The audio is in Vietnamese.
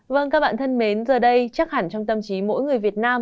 vâng các bạn thân mến giờ đây chắc hẳn trong tâm trí mỗi người việt nam